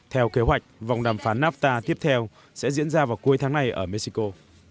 theo kế hoạch vòng đàm phán nafta tiếp theo sẽ diễn ra vào cuối tháng này ở mexico